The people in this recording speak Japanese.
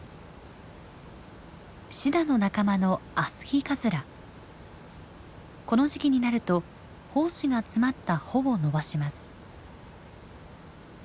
シダの仲間のこの時期になると胞子が詰まった穂を伸ばします。